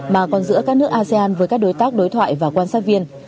mà còn giữa các nước asean với các đối tác đối thoại và quan sát viên